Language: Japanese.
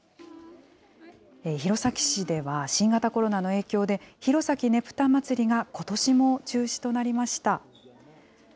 弘前市では、新型コロナの影響で、弘前ねぷたまつりがことしも中止となりました。